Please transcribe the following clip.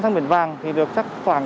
sang biển vàng thì được chấp khoảng